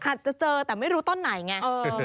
อาจจะเจอแต่ไม่รู้ต้นไหนไง